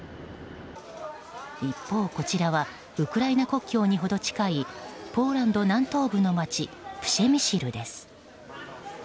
一方、こちらはウクライナ国境に程近いポーランド南東部の街プシェミシルです。